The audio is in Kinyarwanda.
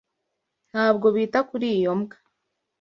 Ntabwo bita kuri iyo mbwa.